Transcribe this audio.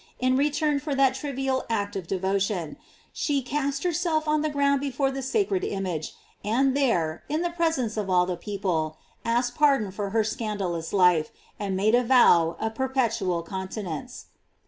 303 in return for that trivial act of devotion, she cast herself on the ground before the sacred image, and there, in the presence of all the people, asked pardon for her scandalous life, and made a vow of perpetual continence.